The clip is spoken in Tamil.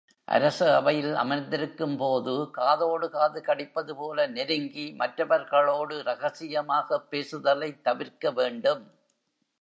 அரச அவையில் அமர்ந்திருக்கும்போது காதோடு காது கடிப்பது போல நெருங்கி மற்றவர்களோடு ரகசியமாகப் பேசுதலைத் தவிர்க்க வேண்டும்.